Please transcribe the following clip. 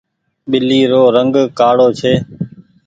ٻلي رو رنگ ڪآڙو ڇي۔